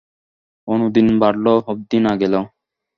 অনুদিন বাঢ়ল অবধি না গেল।